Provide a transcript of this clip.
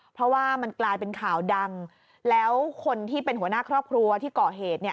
เพราะว่ามันกลายเป็นข่าวดังแล้วคนที่เป็นหัวหน้าครอบครัวที่ก่อเหตุเนี่ย